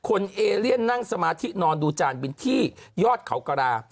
เอเลียนนั่งสมาธินอนดูจานบินที่ยอดเขากระลา